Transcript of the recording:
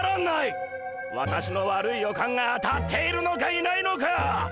私の悪い予感が当たっているのかいないのか。